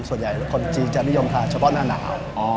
ส่วนใหญ่คนจีนจะนิยมทานเฉพาะหน้าหนาว